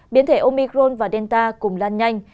biến thể omicron và delta cùng lan nhanh